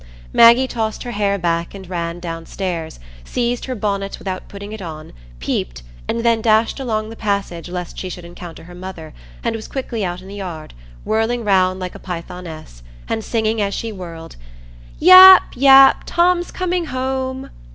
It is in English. Maggie tossed her hair back and ran downstairs, seized her bonnet without putting it on, peeped, and then dashed along the passage lest she should encounter her mother, and was quickly out in the yard, whirling round like a Pythoness, and singing as she whirled, "Yap, Yap, Tom's coming home!"